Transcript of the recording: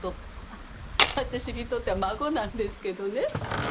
あっ私にとっては孫なんですけどね。